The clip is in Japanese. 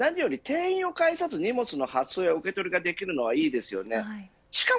何より店員を介さず荷物の発送や受け取りができるのはいいですよね。